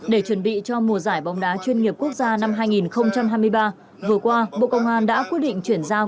để chuẩn bị cho mùa giải bóng đá chuyên nghiệp quốc gia năm hai nghìn hai mươi ba vừa qua bộ công an đã quyết định chuyển giao